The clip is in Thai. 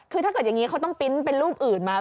คือถ้าเกิดอย่างนี้เขาต้องปริ้นต์เป็นรูปอื่นมา